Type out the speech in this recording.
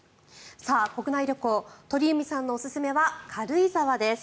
国内旅行、鳥海さんのおすすめは軽井沢です。